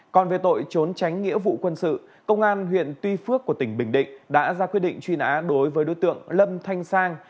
còn về tội trốn tránh nghĩa vụ quân sự công an huyện tuy phước của tỉnh bình định đã ra quyết định truy nã đối với đối tượng lâm thanh sang